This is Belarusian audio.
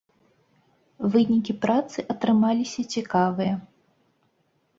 Вынікі працы атрымаліся цікавыя.